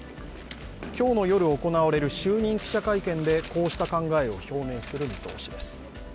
今日の夜行われる就任記者会見でこうした考えを表明する見通しです。